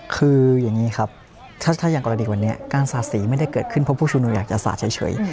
คืออย่างนี้ครับถ้าอย่างกรณีวันนี้การสาดสีไม่ได้เกิดขึ้นเพราะผู้ชุมนุมอยากจะสาดเฉย